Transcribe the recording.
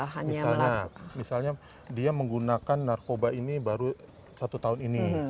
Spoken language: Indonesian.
misalnya misalnya dia menggunakan narkoba ini baru satu tahun ini